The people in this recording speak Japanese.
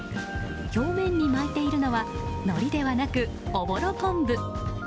表面に巻いているのはのりではなく、おぼろ昆布。